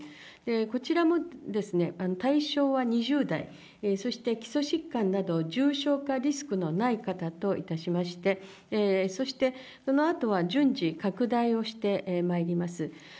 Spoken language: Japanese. こちらも、対象は２０代、そして基礎疾患など重症化リスクのない方といたしまして、そしてそのあとは順次、拡大をしてまいります。